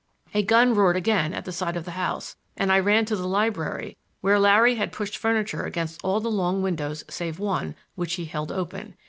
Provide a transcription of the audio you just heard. A gun roared again at the side of the house, and I ran to the library, where Larry had pushed furniture against all the long windows save one, which he held open.